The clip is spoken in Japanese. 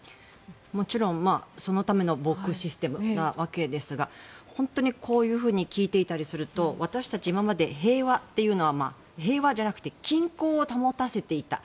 もちろんそのための防空システムなんですが本当にこういうふうに聞いていたりすると私たち今まで、平和というのは平和じゃなくて均衡を保たせていた。